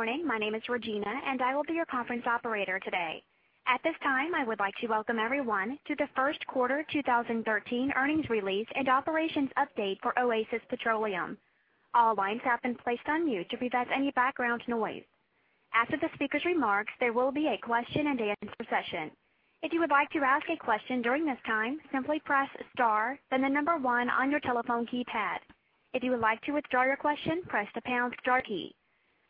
Good morning. My name is Regina, and I will be your conference operator today. At this time, I would like to welcome everyone to the first quarter 2013 earnings release and operations update for Oasis Petroleum. All lines have been placed on mute to prevent any background noise. After the speaker's remarks, there will be a question and answer session. If you would like to ask a question during this time, simply press star then the number one on your telephone keypad. If you would like to withdraw your question, press the pound star key.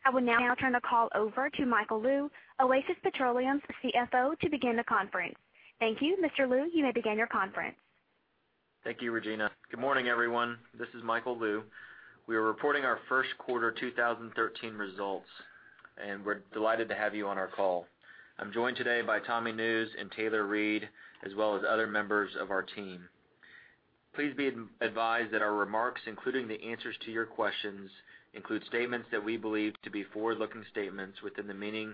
I would now turn the call over to Michael Lou, Oasis Petroleum's CFO, to begin the conference. Thank you, Mr. Lou, you may begin your conference. Thank you, Regina. Good morning, everyone. This is Michael Lou. We are reporting our first quarter 2013 results, and we're delighted to have you on our call. I'm joined today by Tommy Nusz and Taylor Reid, as well as other members of our team. Please be advised that our remarks, including the answers to your questions, include statements that we believe to be forward-looking statements within the meaning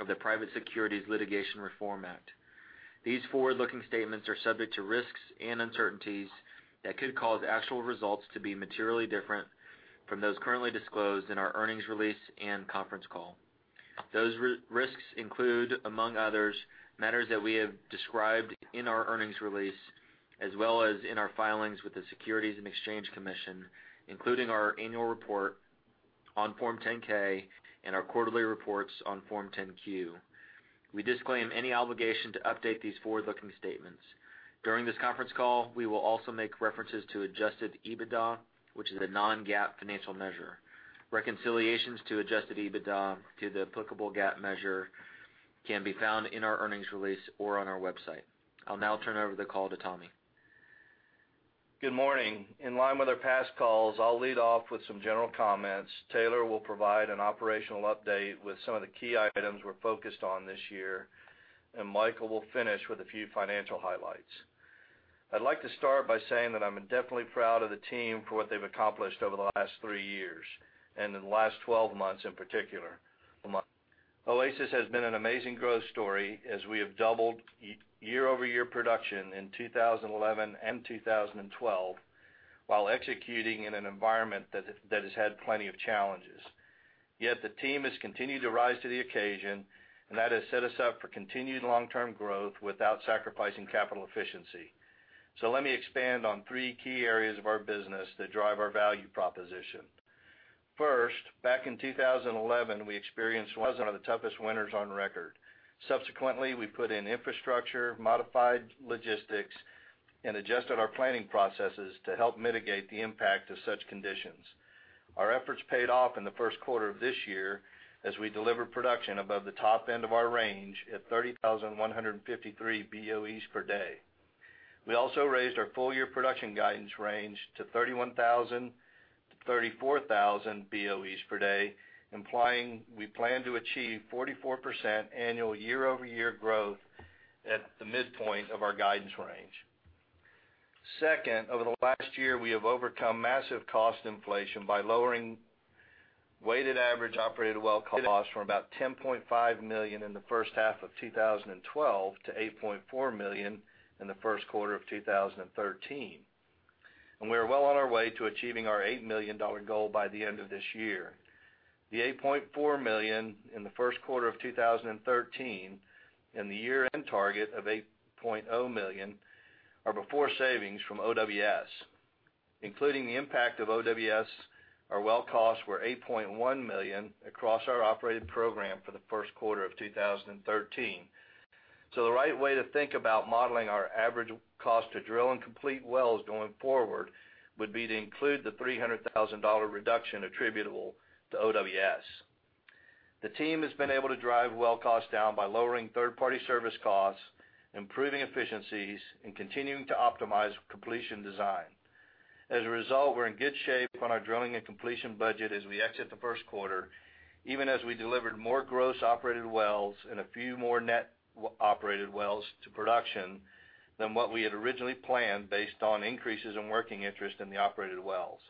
of the Private Securities Litigation Reform Act. These forward-looking statements are subject to risks and uncertainties that could cause actual results to be materially different from those currently disclosed in our earnings release and conference call. Those risks include, among others, matters that we have described in our earnings release, as well as in our filings with the Securities and Exchange Commission, including our annual report on Form 10-K and our quarterly reports on Form 10-Q. We disclaim any obligation to update these forward-looking statements. During this conference call, we will also make references to adjusted EBITDA, which is a non-GAAP financial measure. Reconciliations to adjusted EBITDA to the applicable GAAP measure can be found in our earnings release or on our website. I'll now turn over the call to Tommy. Good morning. In line with our past calls, I'll lead off with some general comments. Taylor will provide an operational update with some of the key items we're focused on this year, and Michael will finish with a few financial highlights. I'd like to start by saying that I'm definitely proud of the team for what they've accomplished over the last three years, and in the last 12 months in particular. Oasis has been an amazing growth story as we have doubled year-over-year production in 2011 and 2012 while executing in an environment that has had plenty of challenges. Yet the team has continued to rise to the occasion, and that has set us up for continued long-term growth without sacrificing capital efficiency. Let me expand on three key areas of our business that drive our value proposition. First, back in 2011, we experienced one of the toughest winters on record. Subsequently, we put in infrastructure, modified logistics, and adjusted our planning processes to help mitigate the impact of such conditions. Our efforts paid off in the first quarter of this year as we delivered production above the top end of our range at 30,153 BOEs per day. We also raised our full-year production guidance range to 31,000 to 34,000 BOEs per day, implying we plan to achieve 44% annual year-over-year growth at the midpoint of our guidance range. Second, over the last year, we have overcome massive cost inflation by lowering weighted average operated well cost from about $10.5 million in the first half of 2012 to $8.4 million in the first quarter of 2013. We are well on our way to achieving our $8 million goal by the end of this year. The $8.4 million in the first quarter of 2013 and the year-end target of $8.0 million are before savings from OWS. Including the impact of OWS, our well costs were $8.1 million across our operated program for the first quarter of 2013. The right way to think about modeling our average cost to drill and complete wells going forward would be to include the $300,000 reduction attributable to OWS. The team has been able to drive well costs down by lowering third-party service costs, improving efficiencies, and continuing to optimize completion design. As a result, we're in good shape on our drilling and completion budget as we exit the first quarter, even as we delivered more gross operated wells and a few more net operated wells to production than what we had originally planned based on increases in working interest in the operated wells.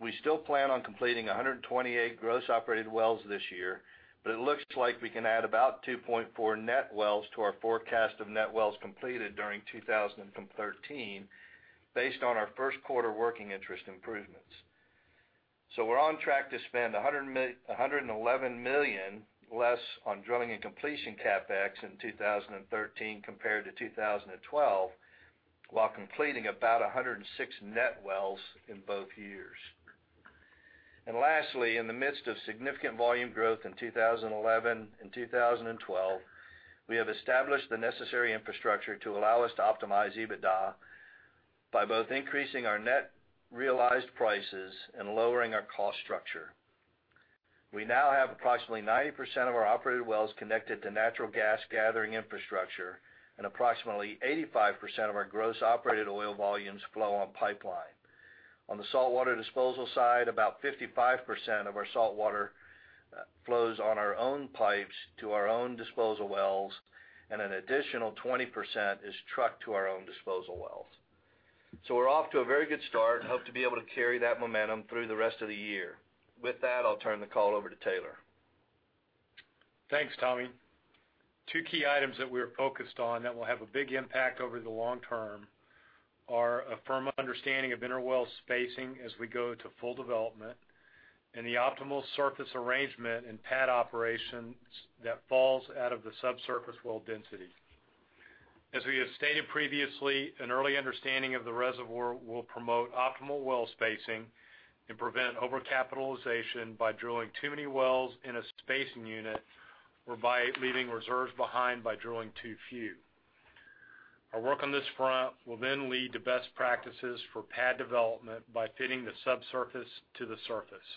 We still plan on completing 128 gross operated wells this year, but it looks like we can add about 2.4 net wells to our forecast of net wells completed during 2013 based on our first quarter working interest improvements. We're on track to spend $111 million less on drilling and completion CapEx in 2013 compared to 2012, while completing about 106 net wells in both years. Lastly, in the midst of significant volume growth in 2011 and 2012, we have established the necessary infrastructure to allow us to optimize EBITDA by both increasing our net realized prices and lowering our cost structure. We now have approximately 90% of our operated wells connected to natural gas gathering infrastructure and approximately 85% of our gross operated oil volumes flow on pipeline. On the saltwater disposal side, about 55% of our saltwater flows on our own pipes to our own disposal wells, and an additional 20% is trucked to our own disposal wells. We're off to a very good start and hope to be able to carry that momentum through the rest of the year. With that, I'll turn the call over to Taylor. Thanks, Tommy. Two key items that we are focused on that will have a big impact over the long term are a firm understanding of inter-well spacing as we go to full development and the optimal surface arrangement and pad operations that falls out of the subsurface well density. As we have stated previously, an early understanding of the reservoir will promote optimal well spacing and prevent over-capitalization by drilling too many wells in a spacing unit or by leaving reserves behind by drilling too few. Our work on this front will lead to best practices for pad development by fitting the subsurface to the surface.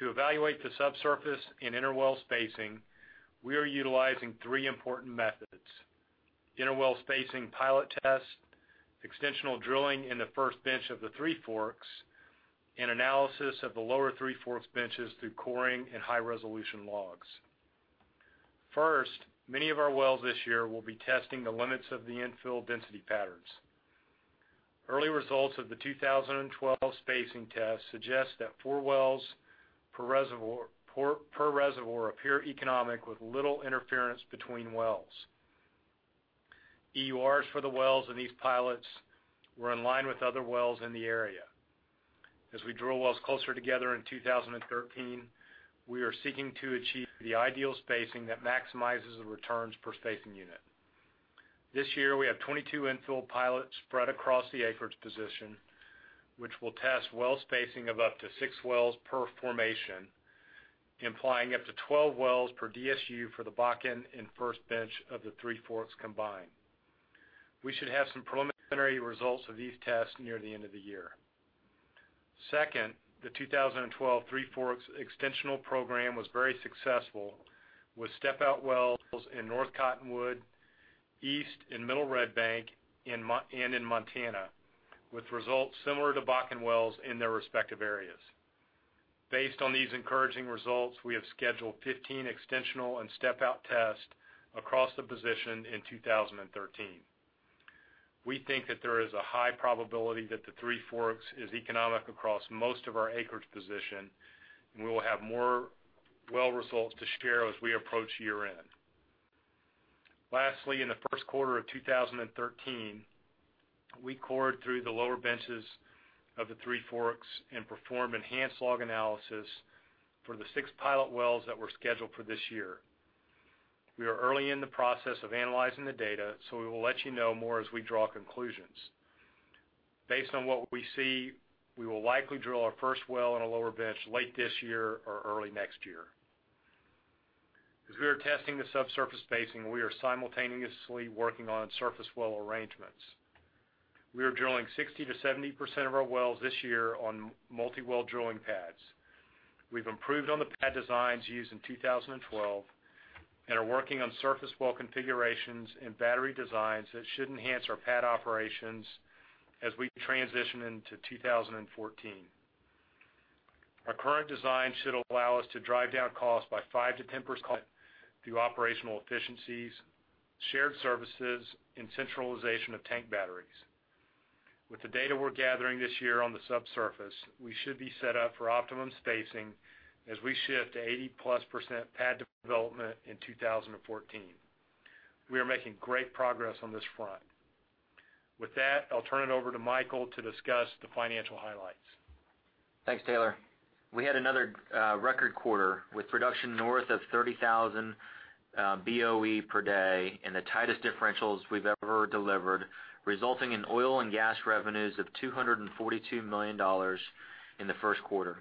To evaluate the subsurface and inter-well spacing, we are utilizing three important methods: inter-well spacing pilot test, extensional drilling in the first bench of the Three Forks, and analysis of the lower Three Forks benches through coring and high-resolution logs. First, many of our wells this year will be testing the limits of the infill density patterns. Early results of the 2012 spacing tests suggest that four wells per reservoir appear economic with little interference between wells. EURs for the wells in these pilots were in line with other wells in the area. As we drill wells closer together in 2013, we are seeking to achieve the ideal spacing that maximizes the returns per spacing unit. This year, we have 22 infill pilots spread across the acreage position, which will test well spacing of up to six wells per formation, implying up to 12 wells per DSU for the Bakken in the first bench of the Three Forks combined. We should have some preliminary results of these tests near the end of the year. Second, the 2012 Three Forks extensional program was very successful with step-out wells in North Cottonwood, East and Middle Red Bank and in Montana, with results similar to Bakken wells in their respective areas. Based on these encouraging results, we have scheduled 15 extensional and step-out tests across the position in 2013. We think that there is a high probability that the Three Forks is economic across most of our acreage position, we will have more well results to share as we approach year-end. Lastly, in the first quarter of 2013, we cored through the lower benches of the Three Forks and performed enhanced log analysis for the six pilot wells that were scheduled for this year. We are early in the process of analyzing the data, we will let you know more as we draw conclusions. Based on what we see, we will likely drill our first well in a lower bench late this year or early next year. As we are testing the subsurface spacing, we are simultaneously working on surface well arrangements. We are drilling 60% to 70% of our wells this year on multi-well drilling pads. We've improved on the pad designs used in 2012, are working on surface well configurations and battery designs that should enhance our pad operations as we transition into 2014. Our current design should allow us to drive down costs by 5% to 10% through operational efficiencies, shared services, and centralization of tank batteries. With the data we're gathering this year on the subsurface, we should be set up for optimum spacing as we shift to 80-plus % pad development in 2014. We are making great progress on this front. With that, I'll turn it over to Michael to discuss the financial highlights. Thanks, Taylor. We had another record quarter with production north of 30,000 BOE per day and the tightest differentials we've ever delivered, resulting in oil and gas revenues of $242 million in the first quarter.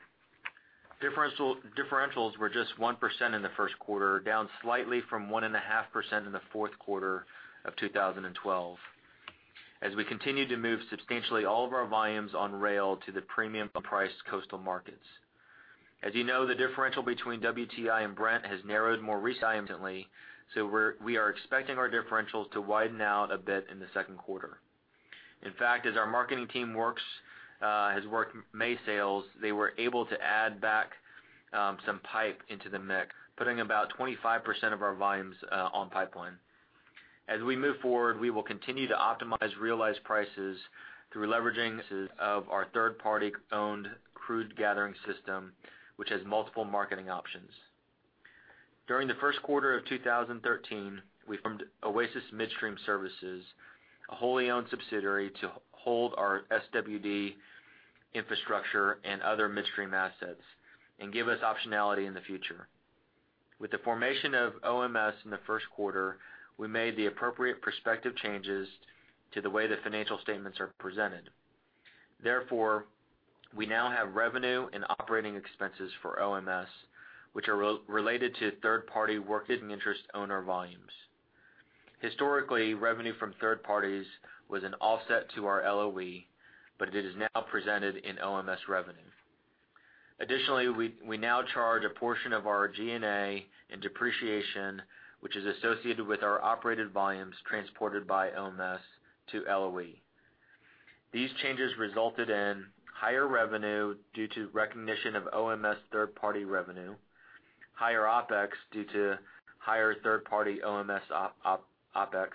Differentials were just 1% in the first quarter, down slightly from 1.5% in the fourth quarter of 2012, as we continued to move substantially all of our volumes on rail to the premium-priced coastal markets. As you know, the differential between WTI and Brent has narrowed more recently, so we are expecting our differentials to widen out a bit in the second quarter. In fact, as our marketing team has worked May sales, they were able to add back some pipe into the mix, putting about 25% of our volumes on pipeline. As we move forward, we will continue to optimize realized prices through leveraging of our third-party owned crude gathering system, which has multiple marketing options. During the first quarter of 2013, we formed Oasis Midstream Services, a wholly owned subsidiary to hold our SWD infrastructure and other midstream assets and give us optionality in the future. With the formation of OMS in the first quarter, we made the appropriate prospective changes to the way the financial statements are presented. Therefore, we now have revenue and operating expenses for OMS, which are related to third-party worked interest owner volumes. Historically, revenue from third parties was an offset to our LOE, but it is now presented in OMS revenue. Additionally, we now charge a portion of our G&A and depreciation, which is associated with our operated volumes transported by OMS to LOE. These changes resulted in higher revenue due to recognition of OMS third-party revenue, higher OpEx due to higher third-party OMS OpEx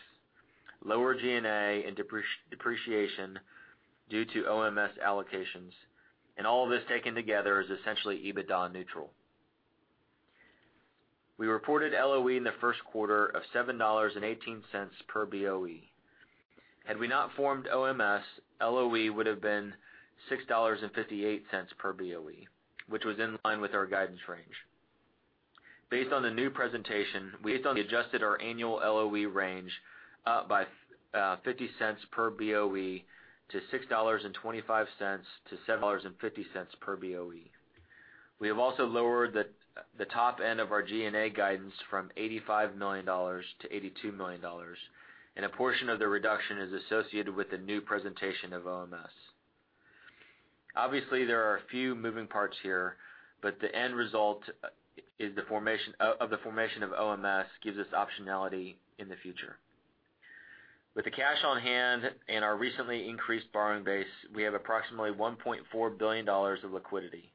lower G&A and depreciation due to OMS allocations. All of this taken together is essentially EBITDA neutral. We reported LOE in the first quarter of $7.18 per BOE. Had we not formed OMS, LOE would have been $6.58 per BOE, which was in line with our guidance range. Based on the new presentation, we adjusted our annual LOE range up by $0.50 per BOE to $6.25-$7.50 per BOE. We have also lowered the top end of our G&A guidance from $85 million-$82 million, and a portion of the reduction is associated with the new presentation of OMS. Obviously, there are a few moving parts here, but the end result of the formation of OMS gives us optionality in the future. With the cash on hand and our recently increased borrowing base, we have approximately $1.4 billion of liquidity.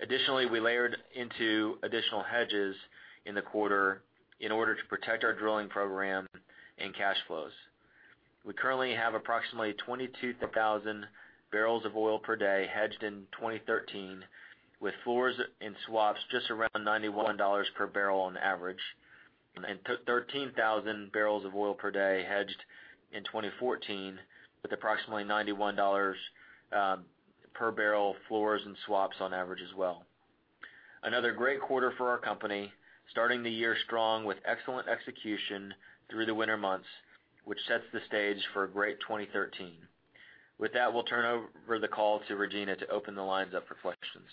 Additionally, we layered into additional hedges in the quarter in order to protect our drilling program and cash flows. We currently have approximately 22,000 barrels of oil per day hedged in 2013, with floors and swaps just around $91 per barrel on average, and 13,000 barrels of oil per day hedged in 2014, with approximately $91 per barrel floors and swaps on average as well. Another great quarter for our company, starting the year strong with excellent execution through the winter months, which sets the stage for a great 2013. With that, we'll turn over the call to Regina to open the lines up for questions.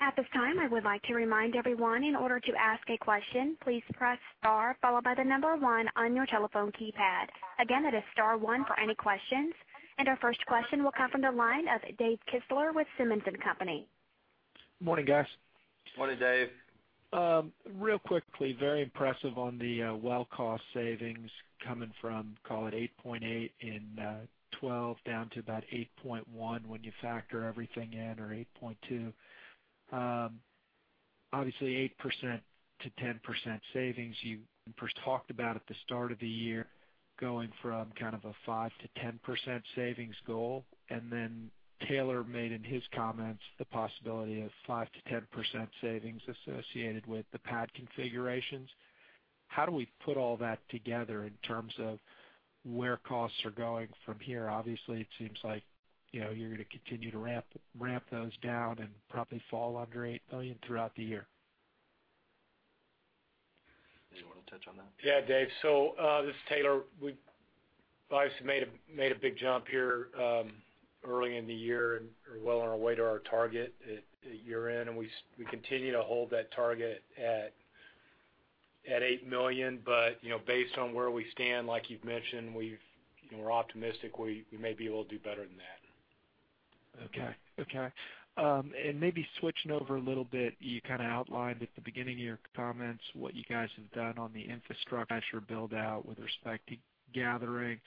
At this time, I would like to remind everyone, in order to ask a question, please press star followed by the number one on your telephone keypad. Again, that is star one for any questions. Our first question will come from the line of Dave Kistler with Simmons & Company. Morning, guys. Morning, Dave. Real quickly, very impressive on the well cost savings coming from, call it $8.8 million in 2012 down to about $8.1 million when you factor everything in, or $8.2 million. Obviously, 8%-10% savings you first talked about at the start of the year, going from a 5%-10% savings goal. Taylor made in his comments the possibility of 5%-10% savings associated with the pad configurations. How do we put all that together in terms of where costs are going from here? Obviously, it seems like you're going to continue to ramp those down and probably fall under $8 million throughout the year. Do you want to touch on that? Dave. This is Taylor. We've obviously made a big jump here early in the year and are well on our way to our target at year-end, and we continue to hold that target at $8 million. Based on where we stand, like you've mentioned, we're optimistic we may be able to do better than that. Okay. Maybe switching over a little bit, you outlined at the beginning of your comments what you guys have done on the infrastructure build-out with respect to gathering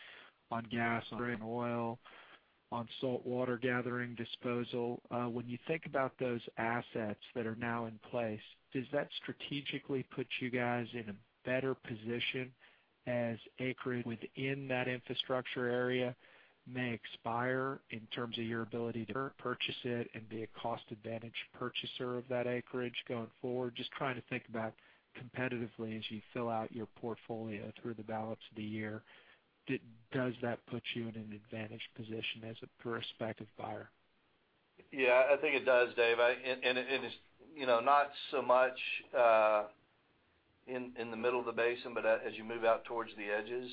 on gas and oil, on saltwater gathering disposal. When you think about those assets that are now in place, does that strategically put you guys in a better position as acreage within that infrastructure area may expire in terms of your ability to purchase it and be a cost advantage purchaser of that acreage going forward? Just trying to think about competitively as you fill out your portfolio through the balance of the year. Does that put you in an advantage position as a prospective buyer? I think it does, Dave. It is not so much in the middle of the basin, but as you move out towards the edges,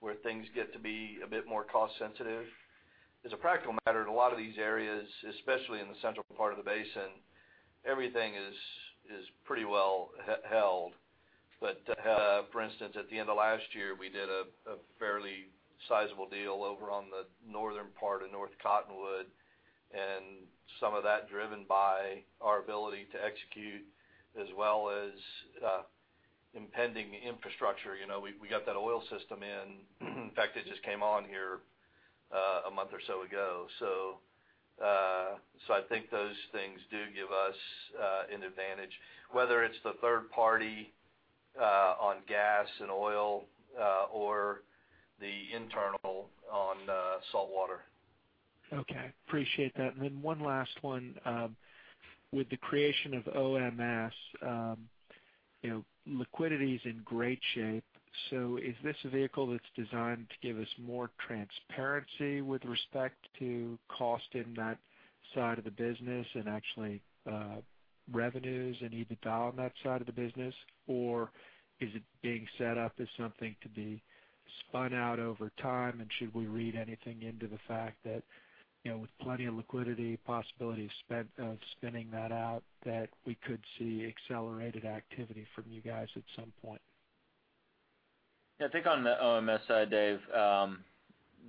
where things get to be a bit more cost sensitive. As a practical matter, in a lot of these areas, especially in the central part of the basin, everything is pretty well held. For instance, at the end of last year, we did a fairly sizable deal over on the northern part of North Cottonwood, and some of that driven by our ability to execute as well as impending infrastructure. We got that oil system in. In fact, it just came on here a month or so ago. I think those things do give us an advantage, whether it's the third party on gas and oil or the internal on saltwater. Okay. Appreciate that. One last one. With the creation of OMS, liquidity is in great shape. Is this a vehicle that's designed to give us more transparency with respect to cost in that side of the business and actually revenues and EBITDA on that side of the business? Or is it being set up as something to be spun out over time, and should we read anything into the fact that with plenty of liquidity, possibility of spinning that out, that we could see accelerated activity from you guys at some point? Yeah, I think on the OMS side, Dave,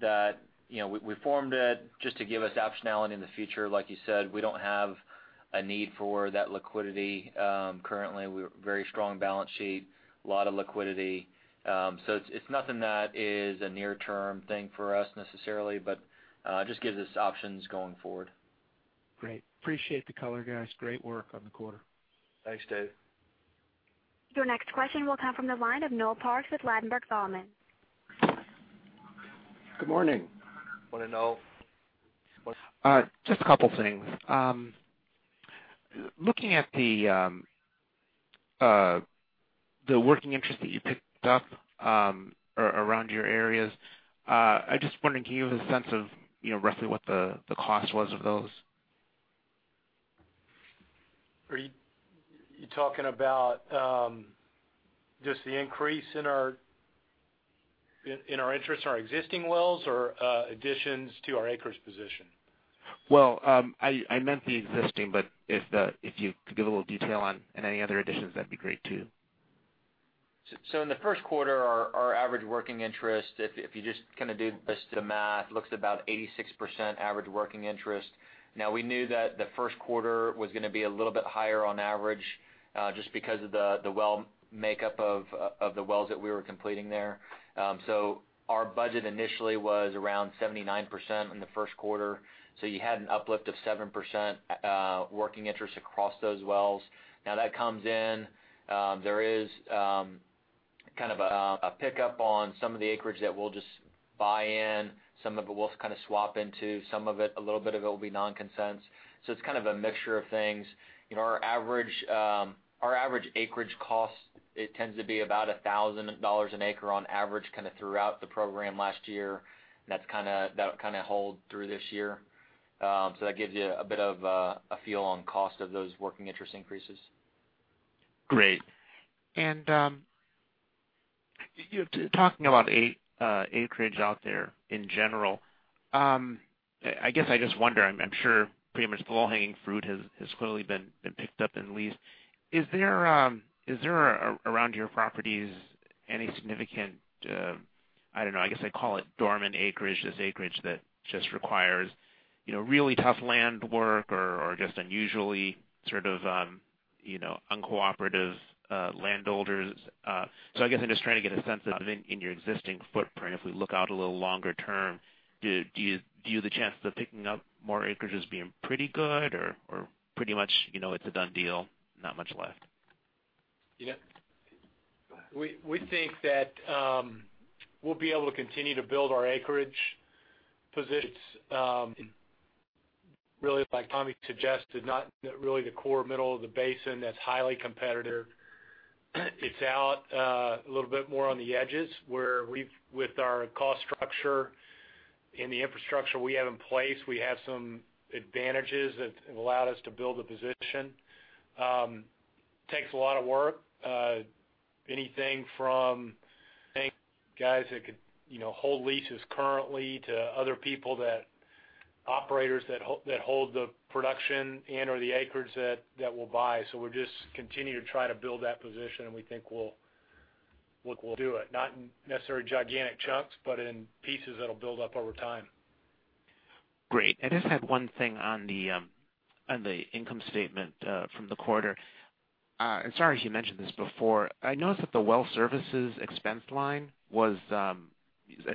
that we formed it just to give us optionality in the future. Like you said, we don't have a need for that liquidity. Currently, we have a very strong balance sheet, a lot of liquidity. It's nothing that is a near-term thing for us necessarily, but just gives us options going forward. Great. Appreciate the color, guys. Great work on the quarter. Thanks, Dave. Your next question will come from the line of Noel Parks with Ladenburg Thalmann. Good morning. Morning, Noel. Just a couple of things. Looking at the working interest that you picked up around your areas, I just wondering, can you give a sense of roughly what the cost was of those? Are you talking about just the increase in our interest in our existing wells or additions to our acres position? Well, I meant the existing, if you could give a little detail on any other additions, that'd be great, too. In the first quarter, our average working interest, if you just do the math, looks about 86% average working interest. We knew that the first quarter was going to be a little bit higher on average, just because of the makeup of the wells that we were completing there. Our budget initially was around 79% in the first quarter. You had an uplift of 7% working interest across those wells. That comes in, there is a pickup on some of the acreage that we'll just buy in, some of it we'll swap into, some of it, a little bit of it will be non-consents. It's a mixture of things. Our average acreage cost, it tends to be about $1,000 an acre on average throughout the program last year. That'll hold through this year. That gives you a bit of a feel on cost of those working interest increases. Great. Talking about acreage out there in general, I guess I just wonder, I'm sure pretty much the low-hanging fruit has clearly been picked up and leased. Is there, around your properties, any significant, I don't know, I guess I'd call it dormant acreage, just acreage that just requires really tough land work or just unusually uncooperative landholders. I guess I'm just trying to get a sense of, in your existing footprint, if we look out a little longer term, do you view the chances of picking up more acreages being pretty good or pretty much it's a done deal, not much left? We think that we'll be able to continue to build our acreage positions. Really, like Tommy suggested, not really the core middle of the basin that's highly competitive. It's out a little bit more on the edges, where with our cost structure and the infrastructure we have in place, we have some advantages that have allowed us to build a position. Takes a lot of work. Anything from guys that could hold leases currently to other people that operators that hold the production and/or the acreage that we'll buy. We'll just continue to try to build that position, and we think we'll do it. Not in necessarily gigantic chunks, but in pieces that'll build up over time. Great. I just had one thing on the income statement from the quarter. Sorry if you mentioned this before. I noticed that the well services expense line was, I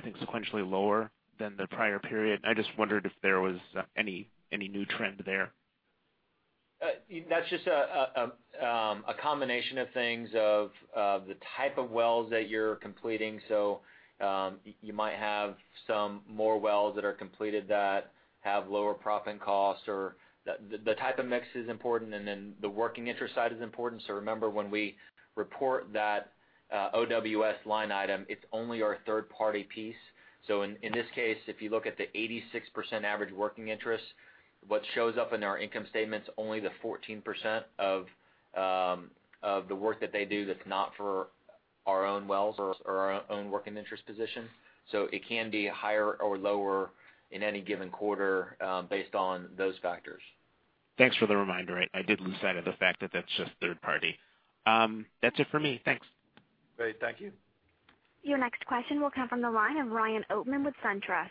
think, sequentially lower than the prior period. I just wondered if there was any new trend there. That's just a combination of things of the type of wells that you're completing. You might have some more wells that are completed that have lower proppant costs, or the type of mix is important, and then the working interest side is important. Remember, when we report that OWS line item, it's only our third-party piece. In this case, if you look at the 86% average working interest, what shows up in our income statement's only the 14% of the work that they do that's not for our own wells or our own working interest position. It can be higher or lower in any given quarter based on those factors. Thanks for the reminder. I did lose sight of the fact that that's just third party. That's it for me. Thanks. Great. Thank you. Your next question will come from the line of Ryan Oatman with SunTrust.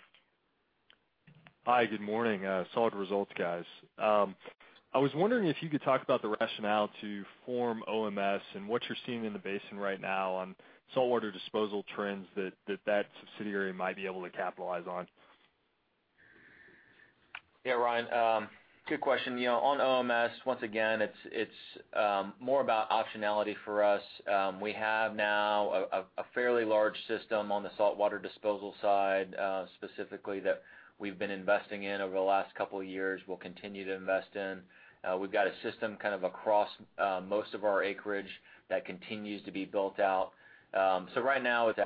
Hi, good morning. Solid results, guys. I was wondering if you could talk about the rationale to form OMS and what you're seeing in the basin right now on saltwater disposal trends that subsidiary might be able to capitalize on. Yeah, Ryan. Good question. On OMS, once again, it's more about optionality for us. We have now a fairly large system on the saltwater disposal side, specifically that we've been investing in over the last couple of years, we'll continue to invest in. We've got a system across most of our acreage that continues to be built out. Right now, it's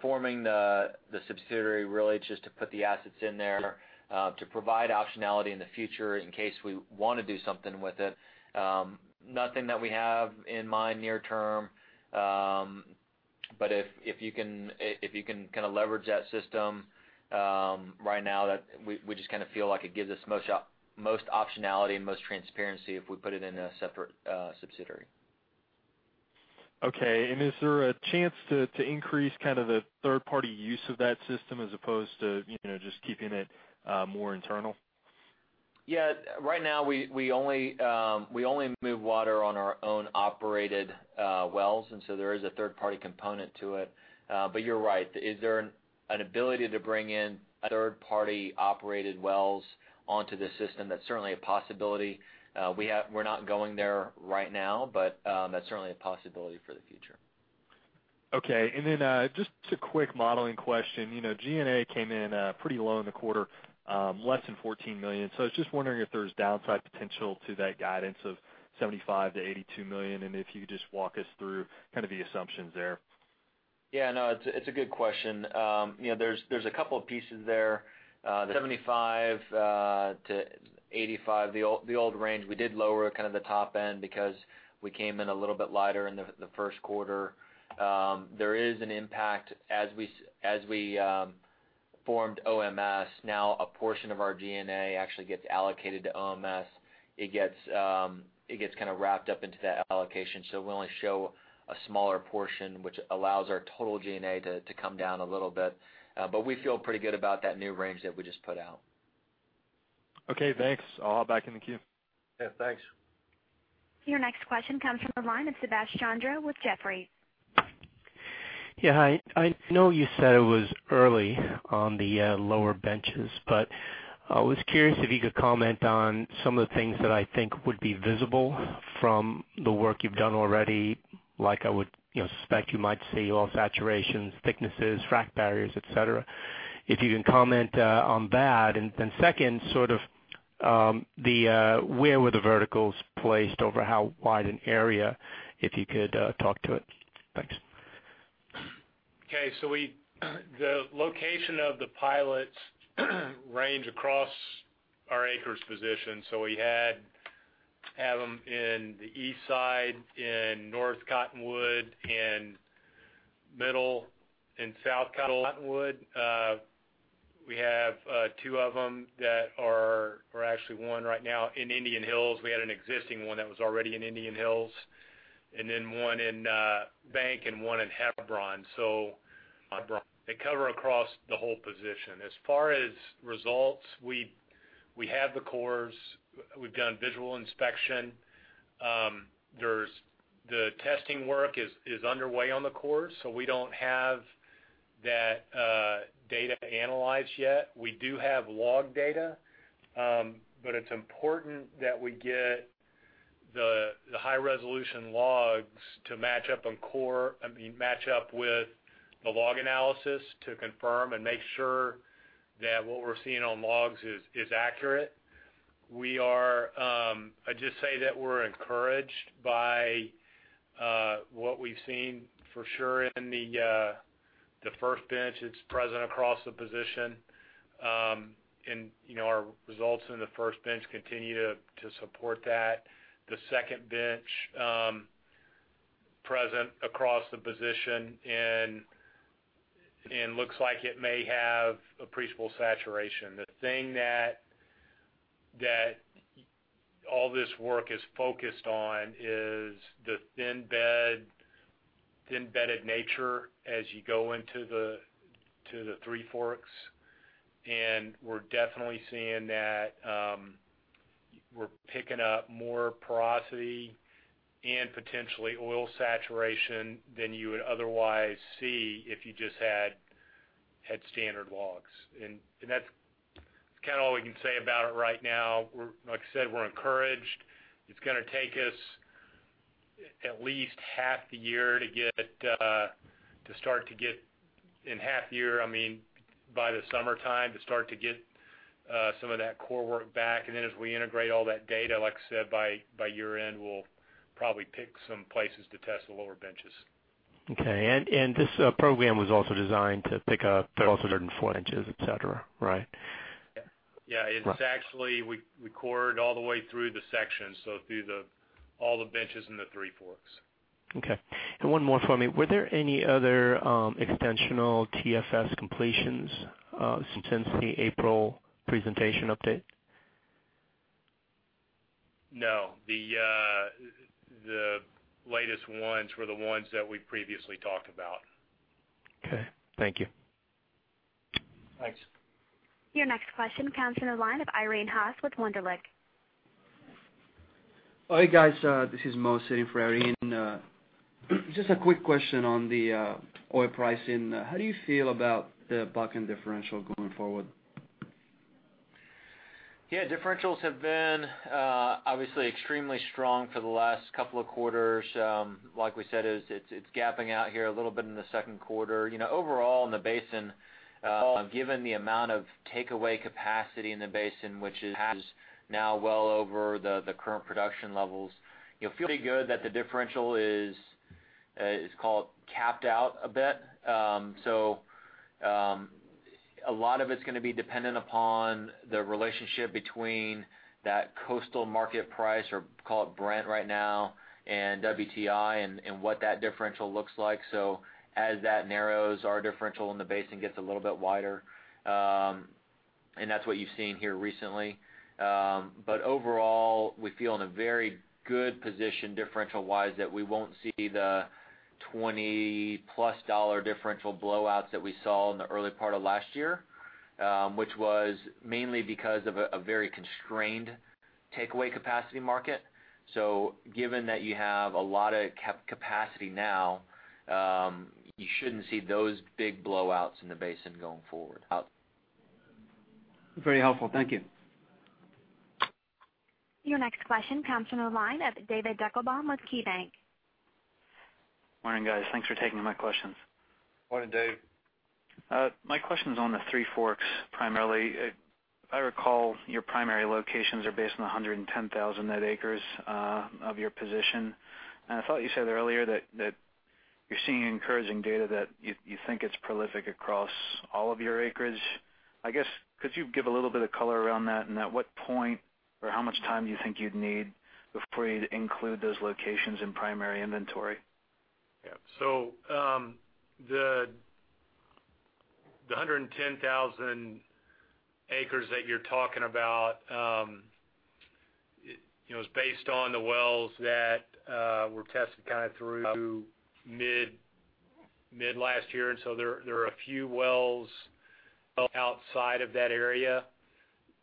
forming the subsidiary really just to put the assets in there to provide optionality in the future in case we want to do something with it. Nothing that we have in mind near term. If you can leverage that system right now, we just feel like it gives us most optionality and most transparency if we put it in a separate subsidiary. Okay. Is there a chance to increase the third-party use of that system as opposed to just keeping it more internal? Yeah. Right now, we only move water on our own operated wells, and so there is a third-party component to it. You're right. Is there an ability to bring in third-party operated wells onto the system? That's certainly a possibility. We're not going there right now, but that's certainly a possibility for the future. Okay. Just a quick modeling question. G&A came in pretty low in the quarter, less than $14 million. I was just wondering if there's downside potential to that guidance of $75 million-$82 million, and if you could just walk us through the assumptions there. Yeah, no, it's a good question. There's a couple of pieces there. The $75 million-$85 million, the old range, we did lower the top end because we came in a little bit lighter in the first quarter. There is an impact as we formed OMS. A portion of our G&A actually gets allocated to OMS. It gets wrapped up into that allocation, so we only show a smaller portion, which allows our total G&A to come down a little bit. We feel pretty good about that new range that we just put out. Okay, thanks. I'll hop back in the queue. Yeah, thanks. Your next question comes from the line of Sebastiano with Jefferies. Yeah. Hi. I know you said it was early on the lower benches, but I was curious if you could comment on some of the things that I think would be visible from the work you've done already. Like I would suspect you might see oil saturations, thicknesses, frack barriers, et cetera. If you can comment on that. Second, where were the verticals placed over how wide an area, if you could talk to it. Thanks. Okay. The location of the pilots range across our acres position. We have them in the east side, in North Cottonwood, and Middle and South Cottonwood. We have two of them that are or actually one right now in Indian Hills. We had an existing one that was already in Indian Hills, one in Red Bank and one in Hebron. They cover across the whole position. As far as results, we have the cores. We've done visual inspection. The testing work is underway on the cores, so we don't have that data analyzed yet. We do have log data. It's important that we get the high-resolution logs to match up with the log analysis to confirm and make sure that what we're seeing on logs is accurate. I'd just say that we're encouraged by what we've seen for sure in the first bench. It's present across the position. Our results in the first bench continue to support that. The second bench, present across the position, and looks like it may have appreciable saturation. The thing that all this work is focused on is the thin bed, embedded nature as you go into the Three Forks. We're definitely seeing that we're picking up more porosity and potentially oil saturation than you would otherwise see if you just had standard logs. That's all we can say about it right now. Like I said, we're encouraged. It's going to take us at least half the year to start to get, I mean, by the summertime to start to get some of that core work back. As we integrate all that data, like I said, by year-end, we'll probably pick some places to test the lower benches. Okay. This program was also designed to pick up fossils in four inches, et cetera, right? Yeah. It's actually we cored all the way through the section, so through all the benches in the Three Forks. Okay. One more for me. Were there any other extensional TFS completions since the April presentation update? No. The latest ones were the ones that we previously talked about. Okay. Thank you. Thanks. Your next question comes from the line of Irene Haas with Wunderlich Securities. Hi, guys. This is Mo sitting for Irene. Just a quick question on the oil pricing. How do you feel about the Bakken differential going forward? Differentials have been obviously extremely strong for the last couple of quarters. Like we said, it's gapping out here a little bit in the second quarter. Overall in the basin, given the amount of takeaway capacity in the basin, which is now well over the current production levels, feel pretty good that the differential is called capped out a bit. A lot of it's going to be dependent upon the relationship between that coastal market price, or call it Brent right now, and WTI and what that differential looks like. As that narrows, our differential in the basin gets a little bit wider. That's what you've seen here recently. Overall, we feel in a very good position differential-wise that we won't see the 20-plus dollar differential blowouts that we saw in the early part of last year, which was mainly because of a very constrained takeaway capacity market. Given that you have a lot of capacity now, you shouldn't see those big blowouts in the basin going forward. Very helpful. Thank you. Your next question comes from the line of David Deckelbaum with KeyBanc. Morning, guys. Thanks for taking my questions. Morning, Dave. My question is on the Three Forks, primarily. If I recall, your primary locations are based on the 110,000 net acres of your position. I thought you said earlier that you're seeing encouraging data that you think it's prolific across all of your acreage. I guess, could you give a little bit of color around that, and at what point, or how much time you think you'd need before you'd include those locations in primary inventory? Yeah. The 110,000 acres that you're talking about, is based on the wells that were tested through mid last year. There are a few wells outside of that area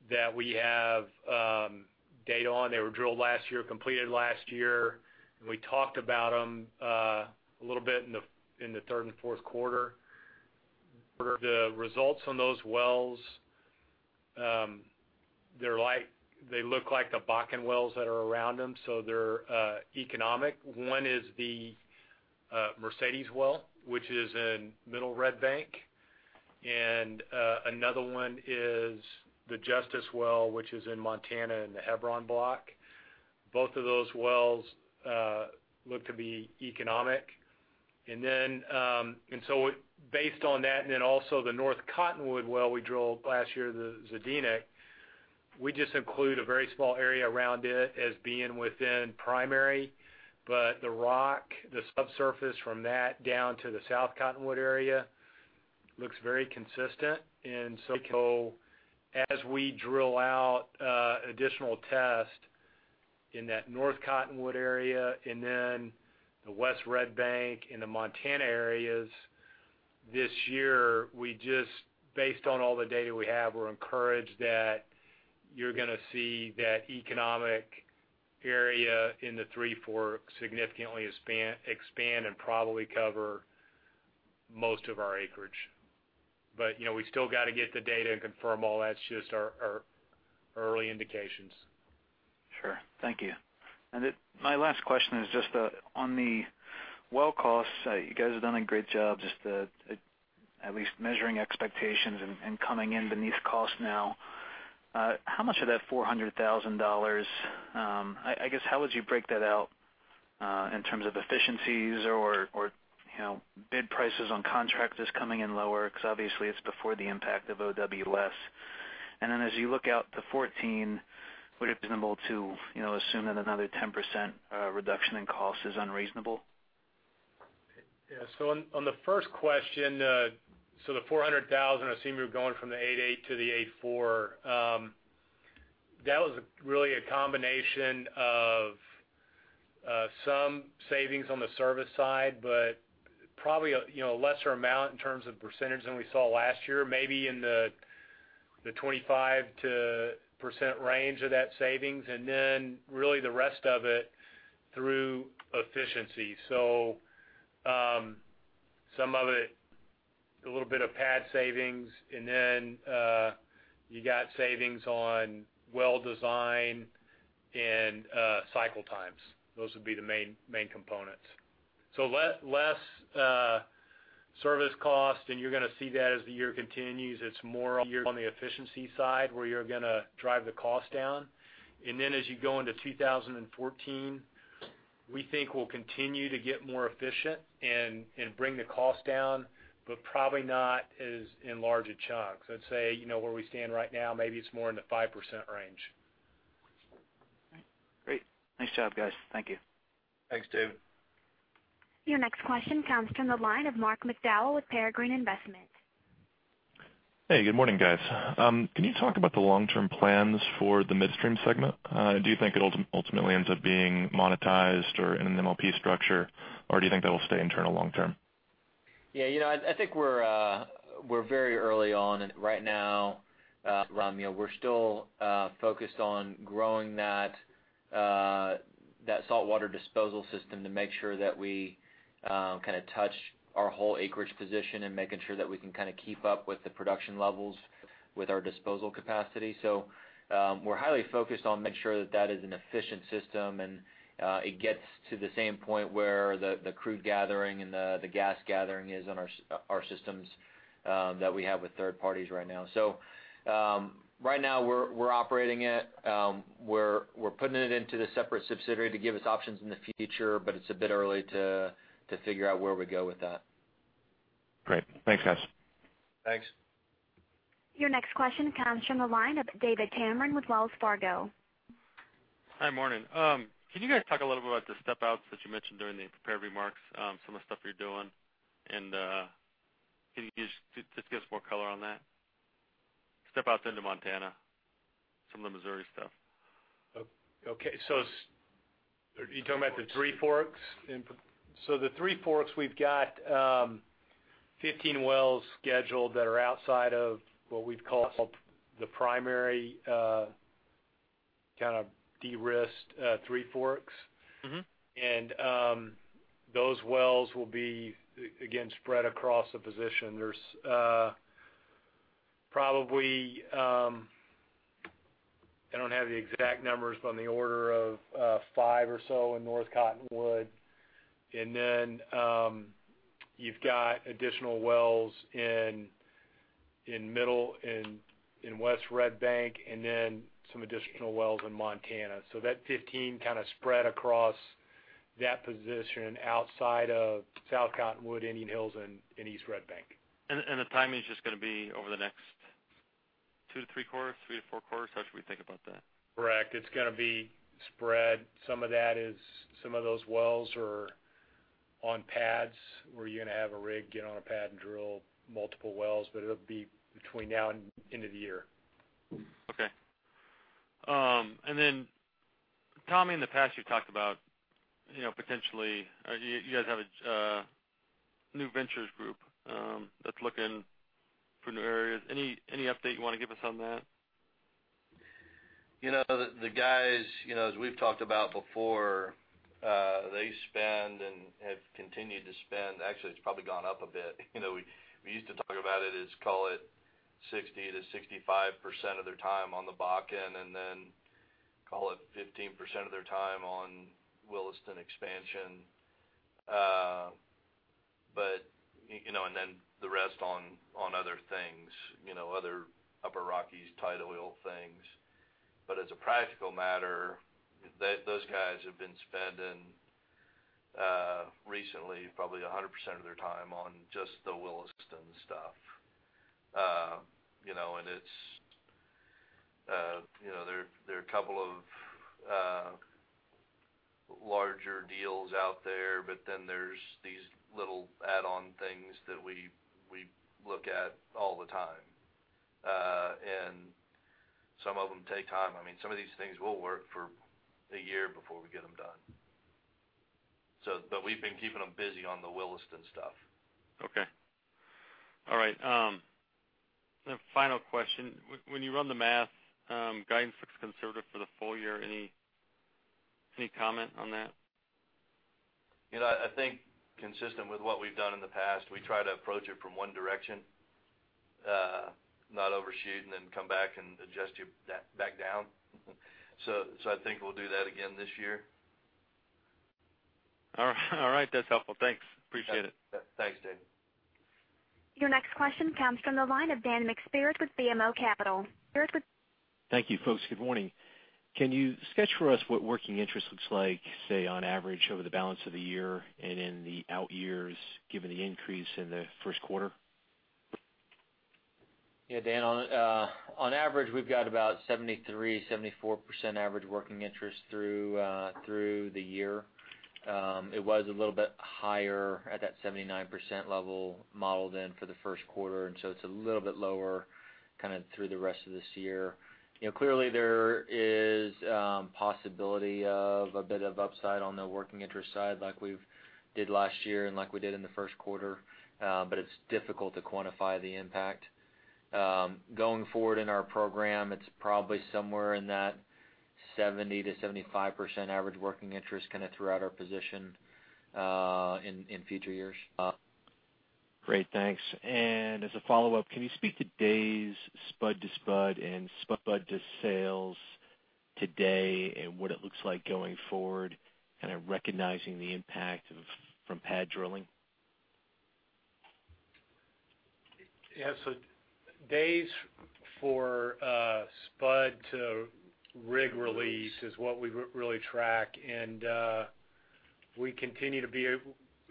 that we have data on. They were drilled last year, completed last year, and we talked about them a little bit in the third and fourth quarter. The results on those wells, they look like the Bakken wells that are around them, so they're economic. One is the Mercedes well, which is in Middle Red Bank, and another one is the Justice well, which is in Montana in the Hebron block. Both of those wells look to be economic. Based on that, and then also the North Cottonwood well we drilled last year, the Zedinek, we just include a very small area around it as being within primary. The rock, the subsurface from that down to the South Cottonwood area looks very consistent. As we drill out additional tests in that North Cottonwood area, and then the West Red Bank and the Montana areas this year, based on all the data we have, we're encouraged that you're going to see that economic area in the Three Forks significantly expand and probably cover most of our acreage. We still got to get the data and confirm all that. It's just our early indications. Sure. Thank you. My last question is just on the well costs. You guys have done a great job just at least measuring expectations and coming in beneath cost now. How much of that $400,000, how would you break that out in terms of efficiencies or bid prices on contractors coming in lower? Because obviously, it's before the impact of OWS. As you look out to 2014, would it be reasonable to assume that another 10% reduction in cost is unreasonable? Yeah. On the first question, the $400,000, I assume you're going from the 8.8 to the 8.4. That was really a combination of some savings on the service side, but probably a lesser amount in terms of percentage than we saw last year, maybe in the 25% range of that savings. Really the rest of it through efficiency. Some of it, a little bit of pad savings, and then you got savings on well design and cycle times. Those would be the main components. Less service cost, and you're going to see that as the year continues. It's more on the efficiency side where you're going to drive the cost down. As you go into 2014, we think we'll continue to get more efficient and bring the cost down, but probably not in as large a chunk. I'd say, where we stand right now, maybe it's more in the 5% range. All right. Great. Nice job, guys. Thank you. Thanks, Dave. Your next question comes from the line of Mark McDowell with Peregrine Investments. Hey, good morning, guys. Can you talk about the long-term plans for the midstream segment? Do you think it ultimately ends up being monetized or in an MLP structure, or do you think that will stay internal long term? Yeah. I think we're very early on, and right now, Mark, we're still focused on growing that saltwater disposal system to make sure that we touch our whole acreage position and making sure that we can keep up with the production levels with our disposal capacity. We're highly focused on making sure that that is an efficient system and it gets to the same point where the crude gathering and the gas gathering is on our systems that we have with third parties right now. Right now, we're operating it. We're putting it into the separate subsidiary to give us options in the future, but it's a bit early to figure out where we go with that. Great. Thanks, guys. Thanks. Your next question comes from the line of David Tameron with Wells Fargo. Hi. Morning. Can you guys talk a little bit about the step outs that you mentioned during the prepared remarks, some of the stuff you're doing, and just give us more color on that? Step out into Montana, some of the [Missouri] stuff. Okay. Are you talking about the Three Forks? The Three Forks, we've got 15 wells scheduled that are outside of what we'd call the primary de-risked Three Forks. Those wells will be, again, spread across the position. There's probably, I don't have the exact numbers, on the order of five or so in North Cottonwood. Then you've got additional wells in West Red Bank and then some additional wells in Montana. That 15 spread across that position outside of South Cottonwood, Indian Hills, and East Red Bank. The timing is just going to be over the next 2-3 quarters, 3-4 quarters? How should we think about that? Correct. It's going to be spread. Some of those wells are on pads where you're going to have a rig get on a pad and drill multiple wells, but it'll be between now and end of the year. Okay. Tommy, in the past you've talked about potentially, you guys have a new ventures group that's looking for new areas. Any update you want to give us on that? The guys, as we've talked about before, they spend and have continued to spend, actually, it's probably gone up a bit. We used to talk about it as, call it 60%-65% of their time on the Bakken, then call it 15% of their time on Williston expansion. The rest on other things, other Upper Rockies tight oil things. As a practical matter, those guys have been spending recently probably 100% of their time on just the Williston stuff. There are a couple of larger deals out there, but then there's these little add-on things that we look at all the time. Some of them take time. Some of these things we'll work for a year before we get them done. We've been keeping them busy on the Williston stuff. Okay. All right. The final question, when you run the math, guidance looks conservative for the full year. Any comment on that? I think consistent with what we've done in the past, we try to approach it from one direction, not overshoot and then come back and adjust you back down. I think we'll do that again this year. All right. That's helpful. Thanks. Appreciate it. Thanks, David. Your next question comes from the line of Dan McSpirit with BMO Capital. McSpirit. Thank you, folks. Good morning. Can you sketch for us what working interest looks like, say, on average over the balance of the year and in the out years, given the increase in the first quarter? Yeah, Dan, on average, we've got about 73%, 74% average working interest through the year. It was a little bit higher at that 79% level modeled in for the first quarter. It's a little bit lower through the rest of this year. Clearly, there is possibility of a bit of upside on the working interest side like we did last year and like we did in the first quarter. It's difficult to quantify the impact. Going forward in our program, it's probably somewhere in that 70%-75% average working interest throughout our position in future years. Great. Thanks. As a follow-up, can you speak to days spud to spud and spud to sales today and what it looks like going forward, recognizing the impact from pad drilling? Yeah. Days for spud to rig release is what we really track, and we continue to be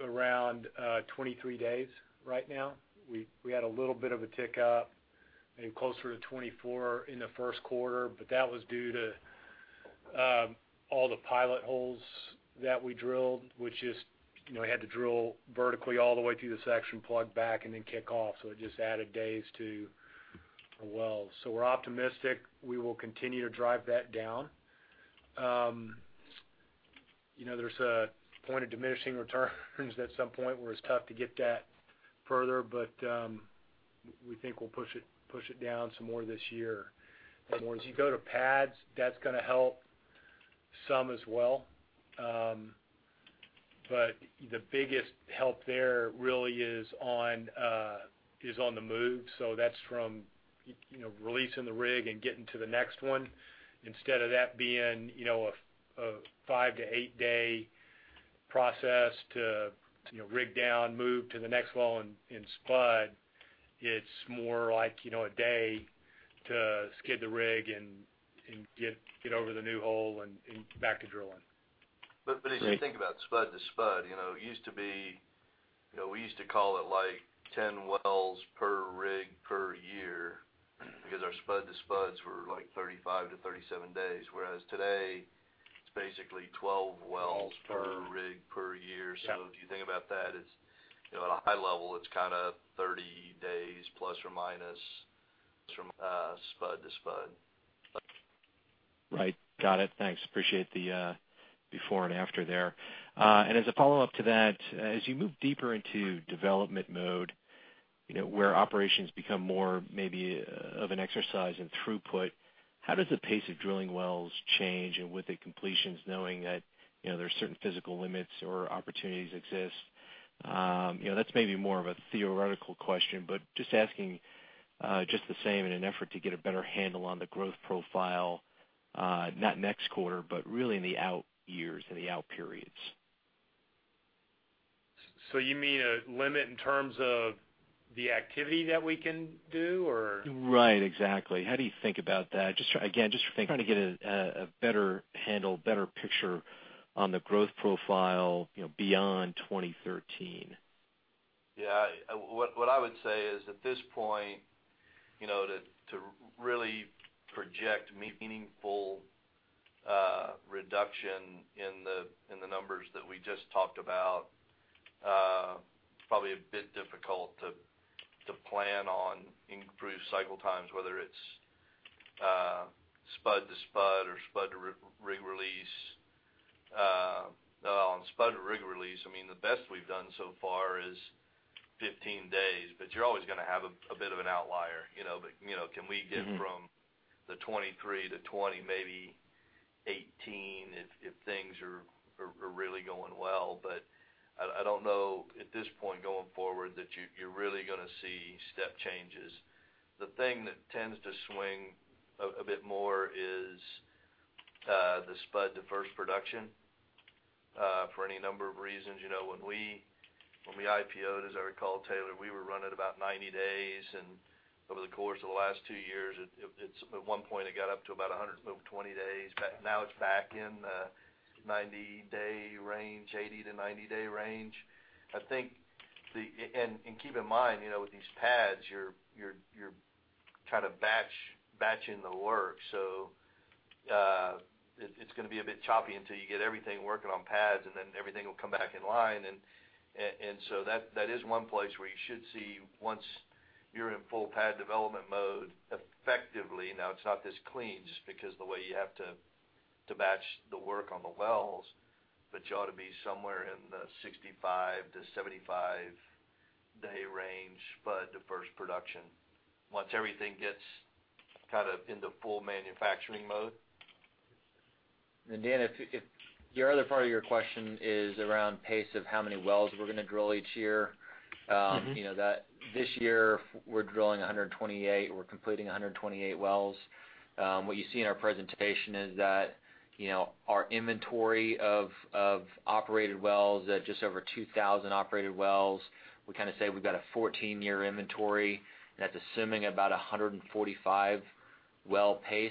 around 23 days right now. We had a little bit of a tick up and closer to 24 in the first quarter, but that was due to all the pilot holes that we drilled, which we had to drill vertically all the way through the section, plug back, and then kick off. It just added days to a well. We're optimistic we will continue to drive that down. There's a point of diminishing returns at some point where it's tough to get that further, but we think we'll push it down some more this year. As you go to pads, that's going to help some as well. The biggest help there really is on the move. That's from releasing the rig and getting to the next one. Instead of that being a 5- to 8-day process to rig down, move to the next well and spud, it's more like a day to skid the rig and get over the new hole and back to drilling. As you think about spud to spud, it used to be we used to call it 10 wells per rig per year because our spud to spuds were 35-37 days. Whereas today It's basically 12 wells per rig per year. Yeah. If you think about that, at a high level, it's 30 days ± from spud to spud. Right. Got it. Thanks. Appreciate the before and after there. As a follow-up to that, as you move deeper into development mode, where operations become more maybe of an exercise in throughput, how does the pace of drilling wells change and with the completions, knowing that there are certain physical limits or opportunities exist? That's maybe more of a theoretical question, but just asking just the same in an effort to get a better handle on the growth profile, not next quarter, but really in the out years and the out periods. You mean a limit in terms of the activity that we can do or? Right. Exactly. How do you think about that? Again, just trying to get a better handle, better picture on the growth profile, beyond 2013. Yeah. What I would say is, at this point, to really project meaningful reduction in the numbers that we just talked about, it's probably a bit difficult to plan on improved cycle times, whether it's spud to spud or spud to rig release. On spud to rig release, the best we've done so far is 15 days, but you're always going to have a bit of an outlier. Can we get from the 23 to 20, maybe 18 if things are really going well. I don't know at this point going forward that you're really going to see step changes. The thing that tends to swing a bit more is the spud to first production, for any number of reasons. When we IPO'd, as I recall, Taylor, we were running about 90 days, and over the course of the last two years, at one point it got up to about 120 days. Now it's back in the 90-day range, 80 to 90-day range. Keep in mind, with these pads, you're batching the work. It's going to be a bit choppy until you get everything working on pads, and then everything will come back in line. That is one place where you should see, once you're in full pad development mode, effectively, now it's not this clean just because the way you have to batch the work on the wells. You ought to be somewhere in the 65 to 75-day range spud to first production, once everything gets into full manufacturing mode. Dan, your other part of your question is around pace of how many wells we're going to drill each year. This year, we're drilling 128. We're completing 128 wells. What you see in our presentation is that our inventory of operated wells at just over 2,000 operated wells. We say we've got a 14-year inventory, and that's assuming about 145 well pace.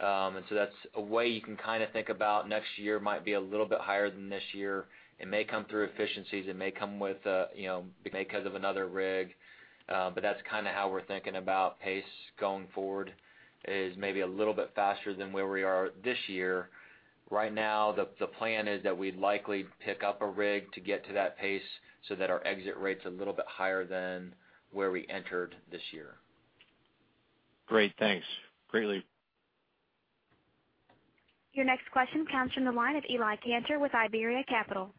That's a way you can think about next year might be a little bit higher than this year. It may come through efficiencies. It may come because of another rig. That's how we're thinking about pace going forward, is maybe a little bit faster than where we are this year. Right now, the plan is that we'd likely pick up a rig to get to that pace so that our exit rate's a little bit higher than where we entered this year. Great. Thanks. Greatly. Your next question comes from the line of Eli Kantor with Iberia Capital.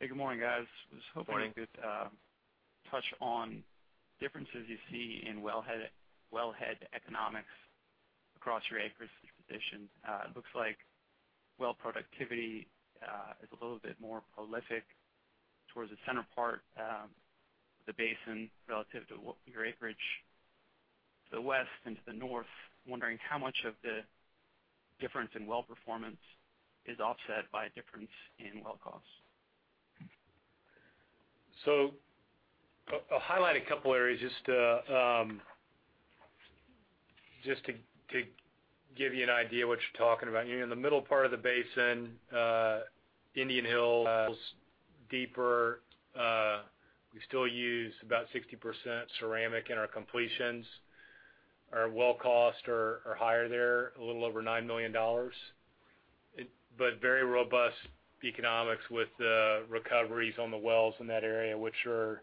Hey, good morning, guys. Good morning. I was hoping you could touch on differences you see in wellhead economics across your acreage position. It looks like well productivity is a little bit more prolific towards the center part of the basin relative to your acreage to the west and to the north. Wondering how much of the difference in well performance is offset by a difference in well cost. I'll highlight a couple areas just to give you an idea what you're talking about. In the middle part of the basin, Indian Hills, deeper. We still use about 60% ceramic in our completions. Our well costs are higher there, a little over $9 million. Very robust economics with recoveries on the wells in that area, which are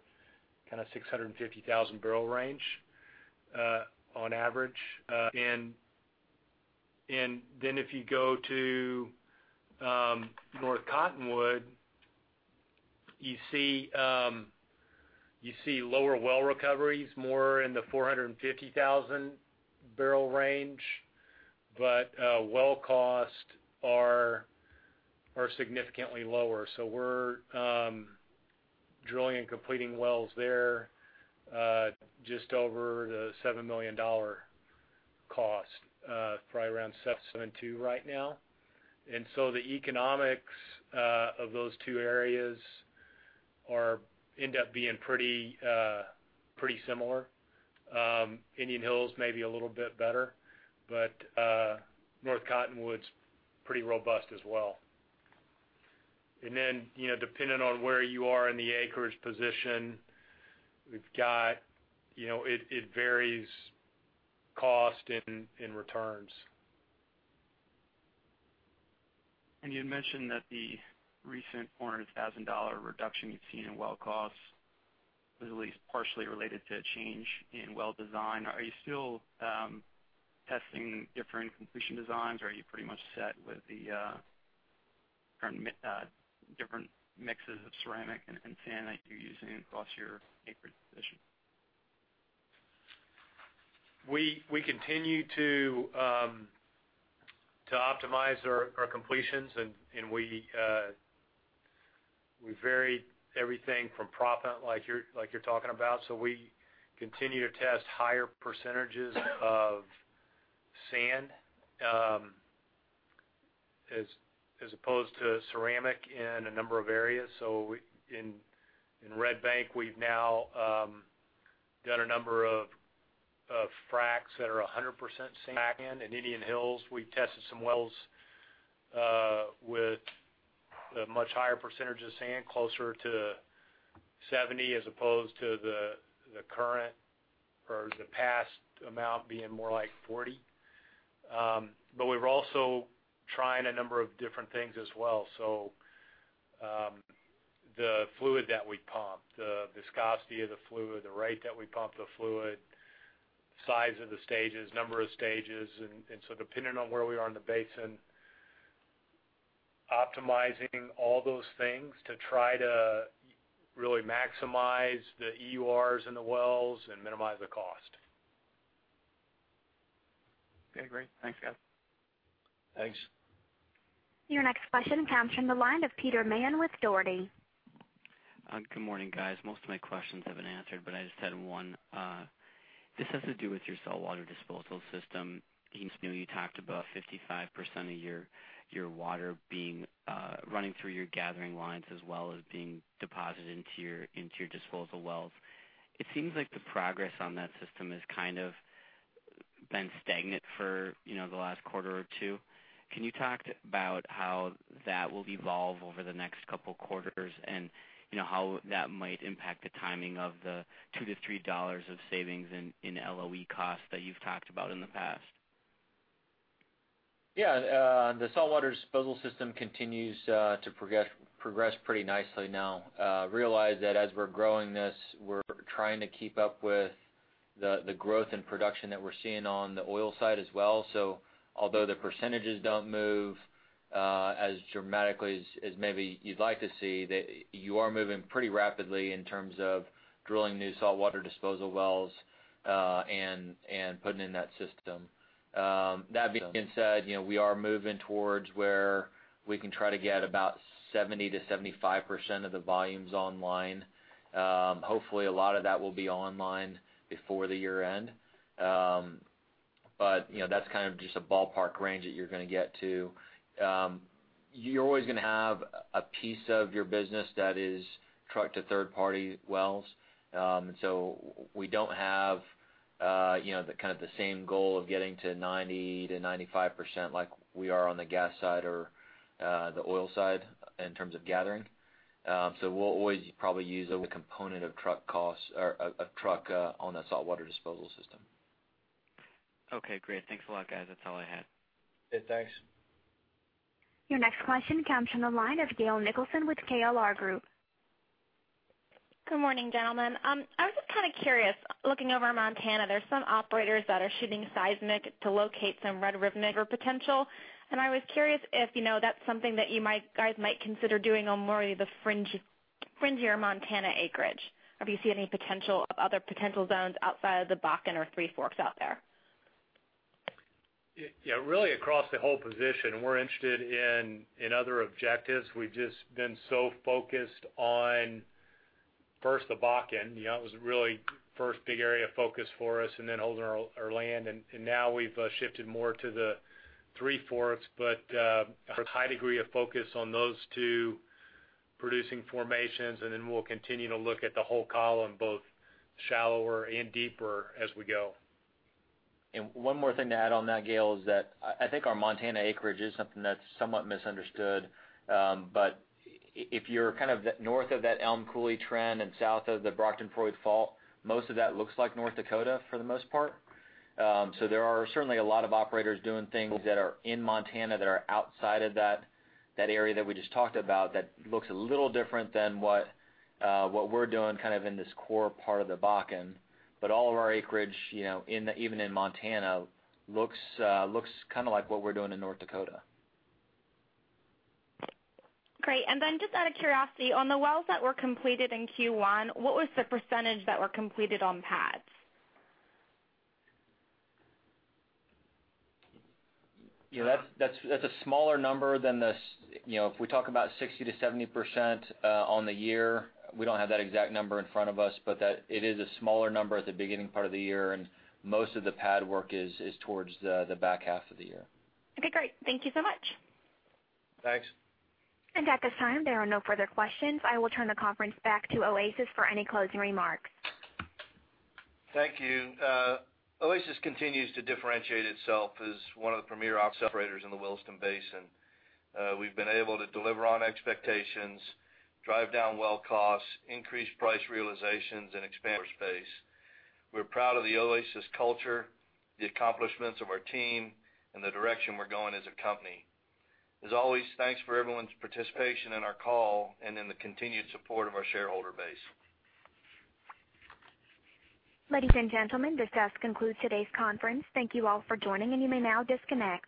650,000 barrel range on average. If you go to North Cottonwood, you see lower well recoveries, more in the 450,000 barrel range, but well costs are significantly lower. We're drilling and completing wells there at just over the $7 million cost, probably around $7.2 million right now. The economics of those two areas end up being pretty similar. Indian Hills may be a little bit better, but North Cottonwood's pretty robust as well. Depending on where you are in the acreage position, it varies cost and returns. You had mentioned that the recent $400,000 reduction you've seen in well costs was at least partially related to a change in well design. Are you still testing different completion designs, or are you pretty much set with the different mixes of ceramic and sand that you're using across your acreage position? We continue to optimize our completions, we vary everything from proppant, like you're talking about. We continue to test higher percentages of sand, as opposed to ceramic in a number of areas. In Red Bank, we've now done a number of fracs that are 100% sand. In Indian Hills, we tested some wells with a much higher percentage of sand, closer to 70%, as opposed to the current or the past amount being more like 40%. We're also trying a number of different things as well. The fluid that we pump, the viscosity of the fluid, the rate that we pump the fluid, size of the stages, number of stages. Depending on where we are in the basin, optimizing all those things to try to really maximize the EURs in the wells and minimize the cost. Okay, great. Thanks, guys. Thanks. Your next question comes from the line of [Peter Mann] with Dougherty. Good morning, guys. Most of my questions have been answered, I just had one. This has to do with your saltwater disposal system. Keith, I know you talked about 55% of your water running through your gathering lines as well as being deposited into your disposal wells. It seems like the progress on that system has kind of been stagnant for the last quarter or two. Can you talk about how that will evolve over the next couple quarters and how that might impact the timing of the $2-$3 of savings in LOE costs that you've talked about in the past? Yeah. The saltwater disposal system continues to progress pretty nicely now. Realize that as we're growing this, we're trying to keep up with the growth in production that we're seeing on the oil side as well. Although the percentages don't move as dramatically as maybe you'd like to see, you are moving pretty rapidly in terms of drilling new saltwater disposal wells and putting in that system. That being said, we are moving towards where we can try to get about 70%-75% of the volumes online. Hopefully, a lot of that will be online before the year-end. That's kind of just a ballpark range that you're going to get to. You're always going to have a piece of your business that is trucked to third-party wells. We don't have the same goal of getting to 90%-95% like we are on the gas side or the oil side in terms of gathering. We'll always probably use a component of truck on that saltwater disposal system. Okay, great. Thanks a lot, guys. That's all I had. Okay, thanks. Your next question comes from the line of Gayle Nicholson with KLR Group. Good morning, gentlemen. I was just kind of curious. Looking over Montana, there's some operators that are shooting seismic to locate some Red River potential. I was curious if that's something that you guys might consider doing on more of the fringier Montana acreage, or if you see any other potential zones outside of the Bakken or Three Forks out there. Yeah. Really across the whole position, we're interested in other objectives. We've just been so focused on, first the Bakken. It was really the first big area of focus for us, and then holding our land, and now we've shifted more to the Three Forks. A high degree of focus on those two producing formations, and then we'll continue to look at the whole column, both shallower and deeper as we go. One more thing to add on that, Gayle, is that I think our Montana acreage is something that's somewhat misunderstood. If you're north of that Elm Coulee trend and south of the Brockton-Froid Fault, most of that looks like North Dakota for the most part. There are certainly a lot of operators doing things that are in Montana that are outside of that area that we just talked about that looks a little different than what we're doing in this core part of the Bakken. All of our acreage, even in Montana, looks kind of like what we're doing in North Dakota. Great. Then just out of curiosity, on the wells that were completed in Q1, what was the % that were completed on pads? That's a smaller number than the If we talk about 60%-70% on the year, we don't have that exact number in front of us, but it is a smaller number at the beginning part of the year, and most of the pad work is towards the back half of the year. Okay, great. Thank you so much. Thanks. At this time, there are no further questions. I will turn the conference back to Oasis Petroleum for any closing remarks. Thank you. Oasis continues to differentiate itself as one of the premier operators in the Williston Basin. We've been able to deliver on expectations, drive down well costs, increase price realizations, and expand our space. We're proud of the Oasis culture, the accomplishments of our team, and the direction we're going as a company. As always, thanks for everyone's participation in our call and in the continued support of our shareholder base. Ladies and gentlemen, this does conclude today's conference. Thank you all for joining, and you may now disconnect.